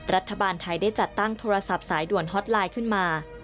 รัฐบาลไทยได้จัดตั้งโทรศัพท์สายด่วนฮอตไลน์ขึ้นมา